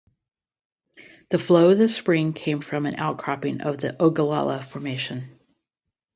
The flow of the spring came from an outcropping of the Ogallala Formation.